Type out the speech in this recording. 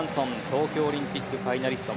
東京オリンピックファイナリスト。